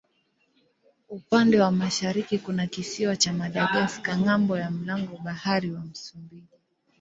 Upande wa mashariki kuna kisiwa cha Madagaska ng'ambo ya mlango bahari wa Msumbiji.